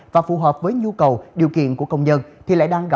và phù hợp với nhu cầu điều kiện của công nhân